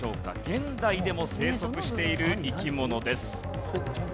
現代でも生息している生き物です。